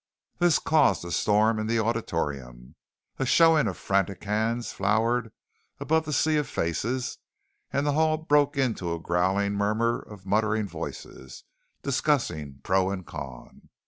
This caused a storm in the auditorium. A showing of frantic hands flowered above the sea of faces and the hall broke into a growling murmur of muttering voices, discussing pro and con.